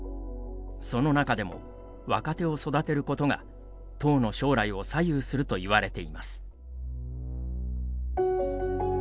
その中でも若手を育てることが党の将来を左右するといわれています。